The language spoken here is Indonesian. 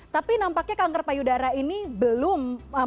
tapi nampaknya kanker payudara ini belum